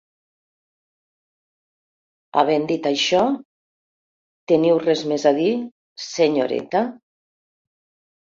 Havent dit això, teniu res més a dir, senyoreta?